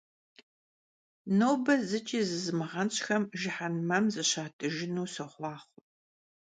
Nobe zıç'i zızmığenş'xem jjıhenmem zışat'ıjjınu soxhuaxhue!